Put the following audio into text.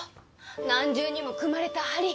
何重にも組まれた梁。